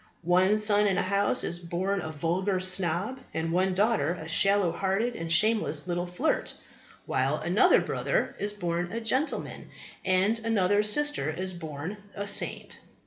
One son in a house is born a vulgar snob, and one daughter a shallow hearted and shameless little flirt; while another brother is a born gentleman, and another sister a born saint.